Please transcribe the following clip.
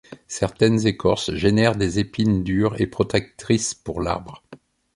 Certaines écorces génèrent des épines dures et protectrices pour l'arbre.